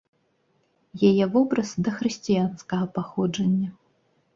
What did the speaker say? Яе вобраз дахрысціянскага паходжання.